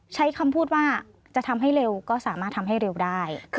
ใช้คำพูดว่าจะทำให้เร็วก็สามารถทำให้เร็วได้